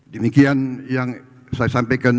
demikian yang saya sampaikan